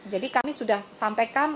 jadi kami sudah sampaikan